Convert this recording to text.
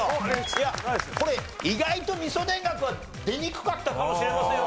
いやこれ意外と味噌田楽は出にくかったかもしれませんよ